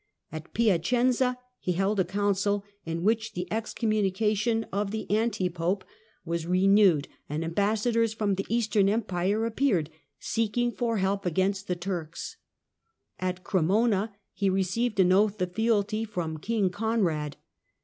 At Piacenza he held a Council, mont, 1095 in which the excommunication of the anti pope was THE WAR OF INVESTITURE 91 renewed, and ambassadors from the Eastern Emperor appeared, seeking for help against the Turks. At Cremona he received an oath of fealty from King Conrad.